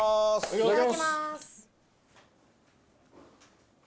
いただきます！